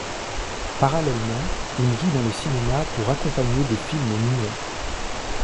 Parallèlement, il joue dans les cinémas pour accompagner des films muets.